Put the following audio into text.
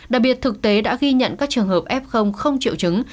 đặc biệt thực tế đã ghi nhận các trường hợp f không triệu chứng